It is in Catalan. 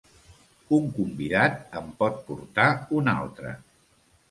Un convidat en pot portar un altre.